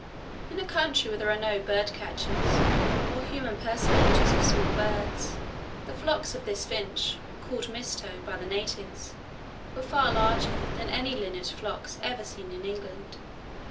In a country where there were no bird catchers or human persecutors of small birds, the flocks of this finch, called Misto by the natives, were far larger than any linnet flocks ever seen in England.